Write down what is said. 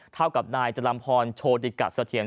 เท่ากับนายจรัมพรโชติกะเสถียร